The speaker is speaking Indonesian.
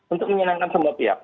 untuk menyenangkan semua pihak